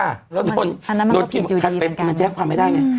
แล้วโดนอันนั้นมันก็ผิดอยู่ดีเหมือนกันมันแจ้งความไม่ได้ไหม